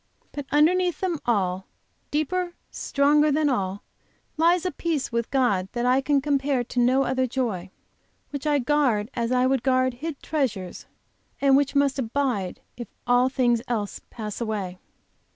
But underneath them all, deeper, stronger than all, lies a peace with God that I can compare to no other joy, which I guard as I would guard hid treasure, and which must abide if all things else pass away.